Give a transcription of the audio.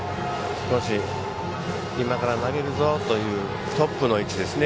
少し今から投げるぞというトップの位置ですね。